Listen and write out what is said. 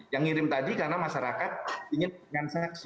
yang dikirim tadi karena masyarakat ingin berkonsaksi